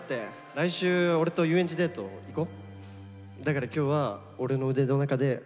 来週俺と遊園地デート行こう？